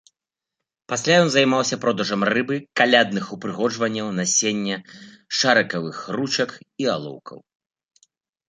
Пасля ён займаўся продажам рыбы, калядных упрыгожанняў, насення, шарыкавых ручак і алоўкаў.